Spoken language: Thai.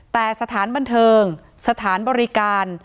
แต่สถานบันเทิงสถานบริการ